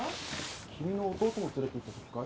・君の弟も連れていったときかい？